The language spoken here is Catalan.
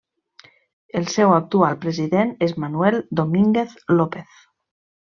El seu actual president és Manuel Domínguez López.